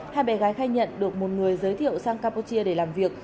hai bé gái khai nhận được một người giới thiệu sang tapu chia để làm việc